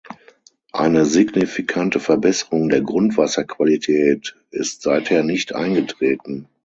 Eine signifikante Verbesserung der Grundwasserqualität ist seither nicht eingetreten.